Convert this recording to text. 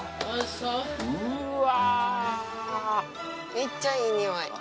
めっちゃいい匂い！